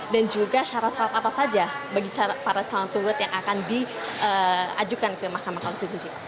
dan juga syarat syarat apa saja bagi para calon pengugat yang akan diajukan ke mahkamah konstitusi